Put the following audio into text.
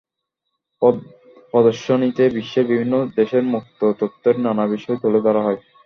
প্রদর্শনীতে বিশ্বের বিভিন্ন দেশের মুক্ত তথ্যের নানা বিষয় তুলে ধরা হয়।